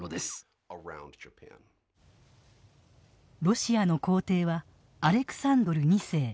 ロシアの皇帝はアレクサンドル２世。